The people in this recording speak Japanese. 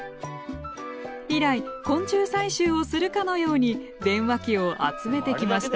以来昆虫採集をするかのように電話機を集めてきました。